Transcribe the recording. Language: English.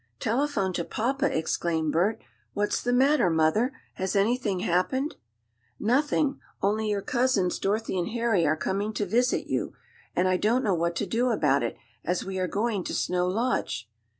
"Telephone to papa!" exclaimed Bert "What's the matter, mother? Has anything happened?" "Nothing, only your cousins, Dorothy and Harry, are coming to visit you. And I don't know what to do about it, as we are going to Snow Lodge!"